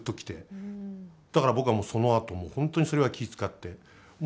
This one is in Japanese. だから僕はもう、そのあと本当にそれは気遣って。